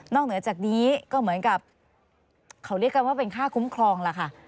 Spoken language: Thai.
เหนือจากนี้ก็เหมือนกับเขาเรียกกันว่าเป็นค่าคุ้มครองล่ะค่ะ